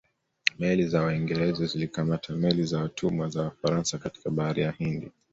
Meli za Waingereza zilikamata meli za watumwa za Wafaransa katika bahari ya Hindi